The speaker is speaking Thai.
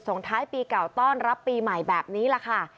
ส่งท้ายปีเก่าต้อนรับปีใหม่แบบนี้แหละค่ะ